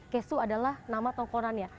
kesu adalah nama tongkonan ya